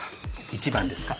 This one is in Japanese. １番ですか？